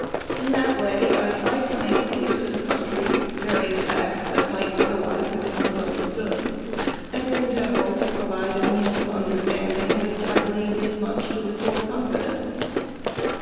I think that in that way I made clear to the country various facts that might otherwise have been misunderstood and in general provided a means of understanding which did much to restore confidence.